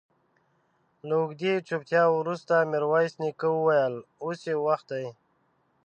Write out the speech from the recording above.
له اوږدې چوپتيا وروسته ميرويس نيکه وويل: اوس يې وخت دی.